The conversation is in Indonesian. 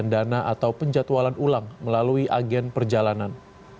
dana atau penjatualan ulang melalui agen perjalanan